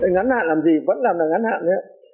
ngắn hạn làm gì vẫn là ngắn hạn